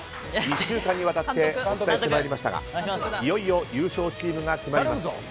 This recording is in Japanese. ２週間にわたってお伝えしてまいりましたがいよいよ優勝チームが決まります。